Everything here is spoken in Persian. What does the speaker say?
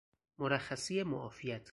مرخصی معافیت